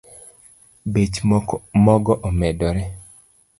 Bech mogo omedore